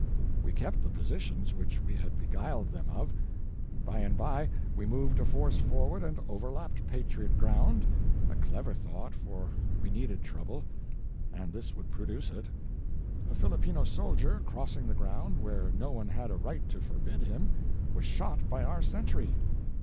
We kept the positions which we had beguiled them of ; by and by, we moved a force forward and overlapped patriot ground — a clever thought, for we needed trouble, and this would produce it. A Filipino soldier, crossing the ground, where no one had a right to forbid him, was shot by our sentry.